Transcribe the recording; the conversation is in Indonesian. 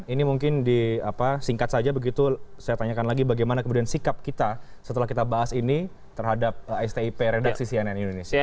ini mungkin di singkat saja begitu saya tanyakan lagi bagaimana kemudian sikap kita setelah kita bahas ini terhadap stip redaksi cnn indonesia